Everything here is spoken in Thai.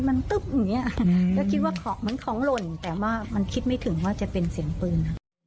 มันตึบอย่างเนี่ยแล้วคิดว่ามันของหล่นแต่มันคิดไม่ถึงว่ามันจะเป็นเสียงปืน